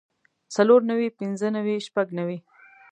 څلور نوي پنځۀ نوي شپږ نوي